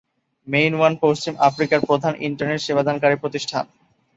Main One পশ্চিম আফ্রিকার প্রধান ইন্টারনেট সেবাদানকারী প্রতিষ্ঠান।